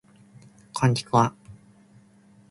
こんちくわ